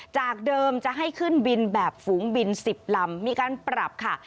จากเดิมจะให้ขึ้นบินแบบฝูงบิน๑๐ลำมีการปรับค่ะ